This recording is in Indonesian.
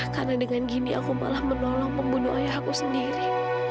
karena dengan gini aku malah menolong membunuh ayah aku sendiri